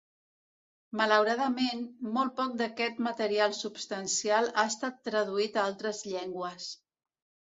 Malauradament, molt poc d'aquest material substancial ha estat traduït a altres llengües.